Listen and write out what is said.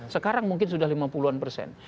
sekarang mungkin sudah lima puluh an persen